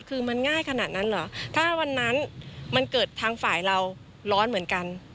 คือมันง่ายขนาดนั้นเหรอถ้าวันนั้นมันเกิดทางฝ่ายเราร้อนเหมือนกัน